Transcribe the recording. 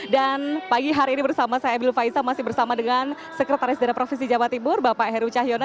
dan pagi hari ini bersama saya emil faizah masih bersama dengan sekretaris darah provinsi jawa timur bapak heru cahyona